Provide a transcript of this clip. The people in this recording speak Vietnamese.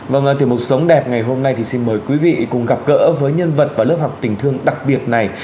vâng ở tìm một sống đẹp ngày hôm nay thì xin mời quý vị cùng gặp gỡ với nhân vật và lớp học tình thương đặc biệt này